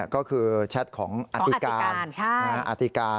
ก็คือแชทของอติการใช่